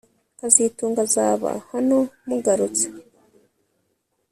kazitunga azaba hano mugarutse